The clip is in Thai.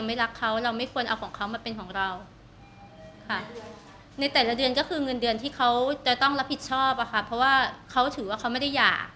ที่เขาจะต้องรับผิดชอบอะค่ะเพราะว่าเขาถือว่าเขาไม่ได้อยาก